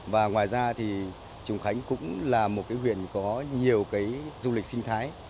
và ngoài ra thì trùng khánh cũng là một cái huyện có nhiều cái du lịch sinh thái